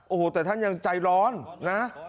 โอ้โหแต่ท่านยังใจร้อนนะ